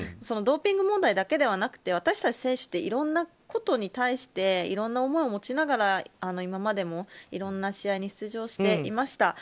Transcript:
ドーピング問題だけではなくて私たち選手っていろいろなことに対していろいろな思いを持ちながら今までもいろんな試合に出場していました。